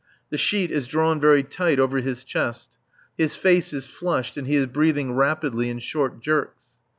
The sheet is drawn very tight over his chest; his face is flushed and he is breathing rapidly, in short jerks.